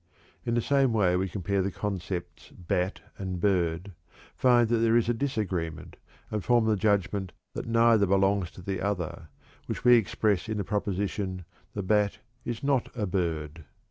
In the same way we compare the concepts "bat" and "bird," find that there is a disagreement, and form the judgment that neither belongs to the other, which we express in the proposition: "The bat is not a bird."